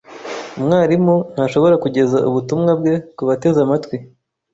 Umwarimu ntashobora kugeza ubutumwa bwe kubateze amatwi.